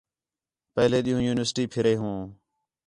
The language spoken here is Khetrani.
پہلے ݙِین٘ہوں یونیورسٹی پِھرے ہوں